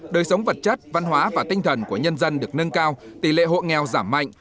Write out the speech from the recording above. đời sống vật chất văn hóa và tinh thần của nhân dân được nâng cao tỷ lệ hộ nghèo giảm mạnh